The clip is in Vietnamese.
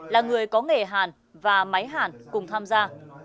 là người có nghề hàn và máy hàn cùng tham gia